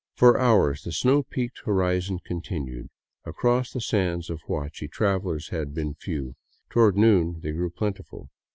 For hours the snow peaked horizon continued. Across the sands of Huachi travelers had been few; toward noon they grew plentiful.